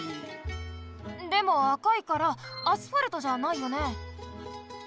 でも赤いからアスファルトじゃないよね？